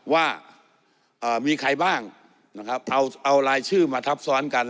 ว่ามีใครบ้างนะครับเอารายชื่อมาทับซ้อนกัน